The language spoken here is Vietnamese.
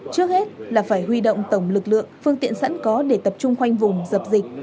trước hết là phải huy động tổng lực lượng phương tiện sẵn có để tập trung khoanh vùng dập dịch